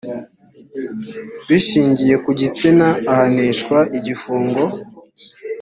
bishingiye ku gitsina ahanishwa igifungo